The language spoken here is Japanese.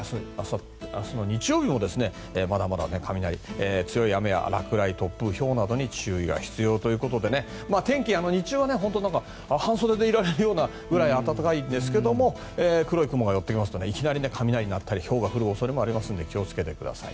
明日の日曜日もまだまだ雷や強い雨や落雷、突風ひょうなどに注意が必要ということで天気は半袖でいられるぐらい暖かいんですが黒い雲が寄ってきますといきなり雷が鳴ったりひょうが降ったりするので気を付けてください。